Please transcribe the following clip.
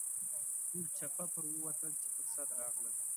ټول چپه پر ووتل چې پر سد راغلل.